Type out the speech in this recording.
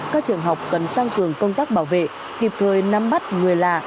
các trường học cần tăng cường công tác bảo vệ kịp thời nắm bắt người lạ